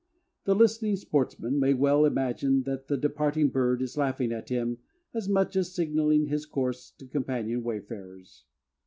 The listening sportsman may well imagine that the departing bird is laughing at him as much as signaling his course to companion wayfarers.